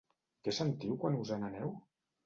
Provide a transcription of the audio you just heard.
Què sentiu quan us en aneu?